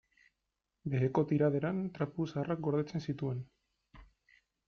Beheko tiraderan trapu zaharrak gordetzen zituen.